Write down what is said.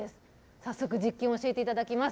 早速、実験を教えていただきます。